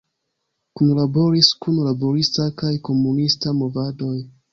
Kunlaboris kun laborista kaj komunista movadoj.